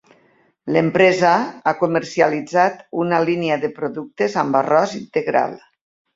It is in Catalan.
L'empresa ha comercialitzat una línia de productes amb arròs integral.